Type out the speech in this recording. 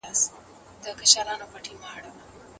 د دورکهايم نظریات د ټولنیز واقعیت لپاره مهم دي.